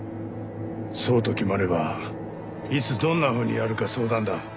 そうと決まればいつどんなふうにやるか相談だ。